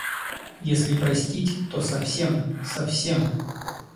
Если простить, то совсем, совсем.